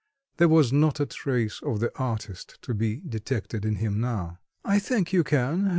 There was not a trace of the artist to be detected in him now. "I think you can.